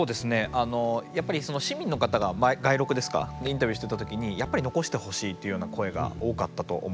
あのやっぱり市民の方が街録ですかでインタビューしてた時にやっぱり残してほしいというような声が多かったと思います。